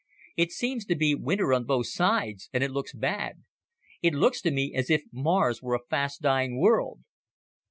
It seems to be winter on both sides and it looks bad. It looks to me as if Mars were a fast dying world."